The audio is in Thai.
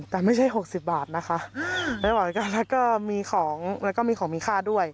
แต่ไม่ใช่หกสิบบาทนะคะแล้วก็มีของแล้วก็มีของมีค่าด้วย